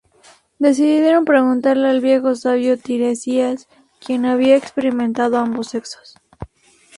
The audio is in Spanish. Decidieron preguntarle al viejo sabio Tiresias, quien había experimentado ambos sexos.